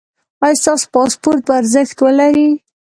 ایا ستاسو پاسپورت به ارزښت ولري؟